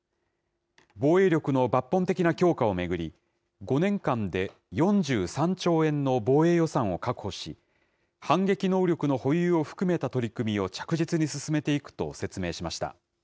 防衛力の抜本的な強化を巡り、５年間で４３兆円の防衛予算を確保し、反撃能力の保有を含めた取り組みを着実に進めていくと説明しました。